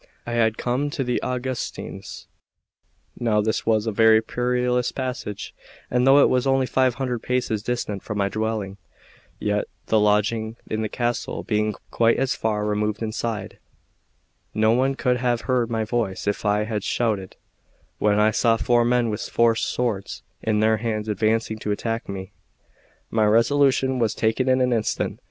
I had just come to the Augustines now this was a very perilous passage, and though it was only five hundred paces distant from my dwelling, yet the lodging in the castle being quite as far removed inside, no one could have heard my voice if I had shouted when I saw four men with four swords in their hands advancing to attack me. My resolution was taken in an instant.